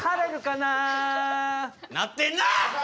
なってんな！